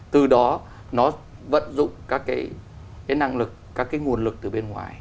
từ đó nó vận dụng các cái năng lực các cái nguồn lực từ bên ngoài